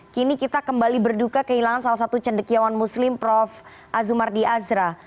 kini kita kembali berduka kehilangan salah satu cendekiawan muslim profesor azumar diyazra